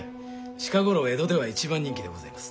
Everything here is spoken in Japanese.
近頃江戸では一番人気でございます。